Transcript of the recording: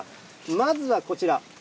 まずはこちら。